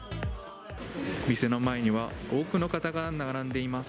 店の前には、多くの方が並んでいます。